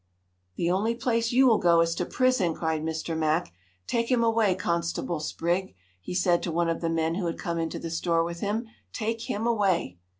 "The only place you will go to is prison," cried Mr. Mack. "Take him away, Constable Sprigg," he said to one of the men who had come into the store with him. "Take him away!"